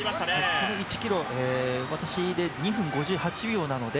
この１ｋｍ、私で２分５８秒なので